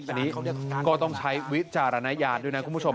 อันนี้ก็ต้องใช้วิจารณญาณด้วยนะคุณผู้ชม